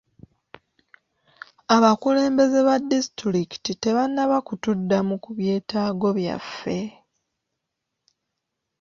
Abakulembeze ba disitulikiti tebannaba kutuddamu ku byetaago byaffe.